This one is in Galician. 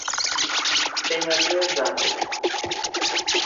Teño aquí os datos.